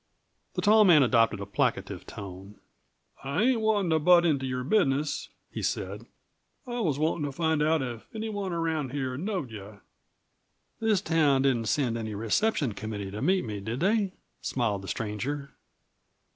The tall man adopted a placative tone. "I ain't wantin' to butt into your business," he said. "I was wantin' to find out if any one around here knowed you." "This town didn't send any reception committee to meet me, did they?" smiled the stranger.